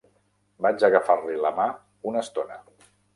Vaig agafar-li la mà una estona.